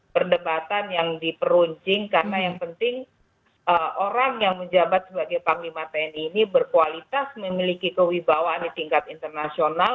perdebatan yang diperuncing karena yang penting orang yang menjabat sebagai panglima tni ini berkualitas memiliki kewibawaan di tingkat internasional